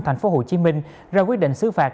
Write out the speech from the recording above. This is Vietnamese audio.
thành phố hồ chí minh ra quyết định xứ phạt